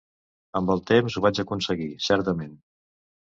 Amb el temps ho vaig aconseguir, certament.